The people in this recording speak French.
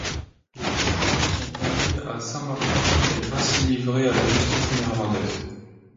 Les deux criminels sont conduits à Saint-Martin et ainsi livrés à la justice néerlandaise.